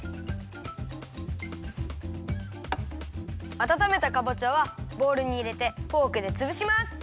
あたためたかぼちゃはボウルにいれてフォークでつぶします。